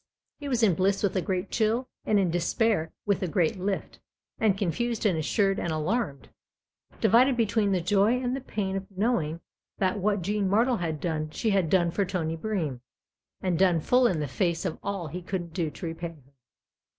He was in bliss with a great chill and in despair with a great lift, and confused and assured and alarmed divided between the joy and the pain of knowing that what Jean Martle had done she had done for Tony Bream, and done full in the face of all he couldn't do to repay her.